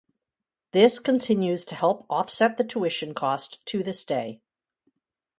This continues to help offset the tuition cost to this day.